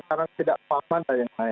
karena tidak paham hal yang lain